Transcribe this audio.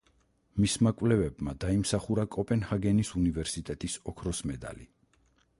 მისმა კვლევებმა დაიმსახურა კოპენჰაგენის უნივერსიტეტის ოქროს მედალი.